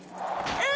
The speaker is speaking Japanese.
うん！